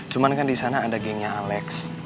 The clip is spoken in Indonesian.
cuma kan di sana ada gengnya alex